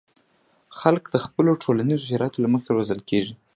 خلک د خپلو ټولنیزو شرایطو له مخې روزل کېږي.